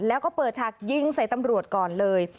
แล้วก็เปิดฉากยิงใส่ตำรวจก่อนเลย